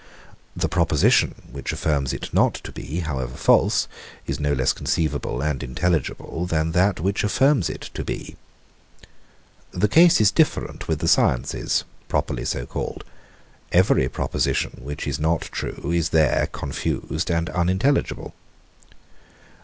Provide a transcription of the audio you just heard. The proposition, which affirms it not to be, however false, is no less conceivable and intelligible, than that which affirms it to be. The case is different with the sciences, properly so called. Every proposition, which is not true, is there confused and unintelligible.